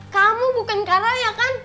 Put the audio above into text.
kamu bukan karaya kan